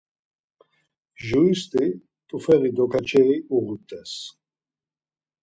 Juristi t̆ufeği dokaçeri uğut̆es.